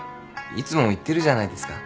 いつも行ってるじゃないですか。